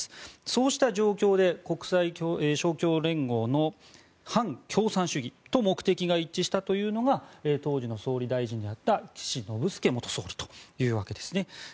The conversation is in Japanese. そうした状況で国際勝共連合の反共産主義と目的が一致したというのが当時の総理大臣であった岸信介元総理というわけですね。